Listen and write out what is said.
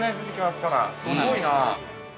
すごいな。